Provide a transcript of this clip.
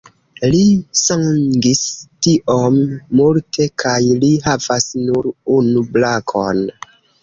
Li sangis tiom multe kaj li havas nur unu brakon.